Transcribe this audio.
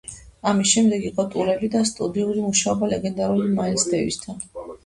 ამის შემდეგ იყო ტურები და სტუდიური მუშაობა ლეგენდარულ მაილს დევისთან.